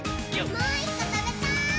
もう１こ、たべたい！